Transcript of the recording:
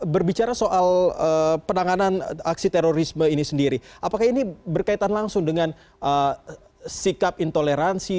berbicara soal penanganan aksi terorisme ini sendiri apakah ini berkaitan langsung dengan sikap intoleransi